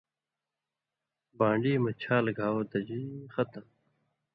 بان٘ڈی مہ چھال گھاؤ دژی ختم